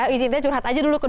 intinya curhat aja dulu ke dok